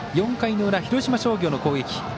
４回の裏、広島商業の攻撃。